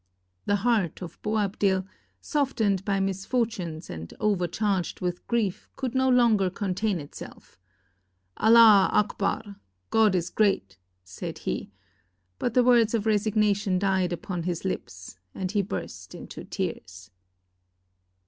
The heart of Boabdil, softened by mis fortunes and overcharged with grief, could no longer contain itself: "Allah Achbar! God is great!" said he: but the words of resignation died upon his lips, and he burst into tears.